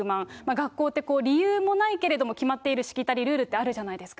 学校って、理由もないけれども決まってるしきたり、ルールってあるじゃないですか。